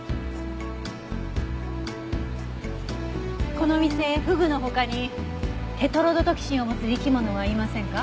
この店フグの他にテトロドトキシンを持つ生き物はいませんか？